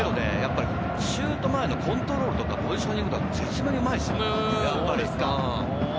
シュート前のコントロールとか、ポジショニングとか、絶妙にうまいですよ。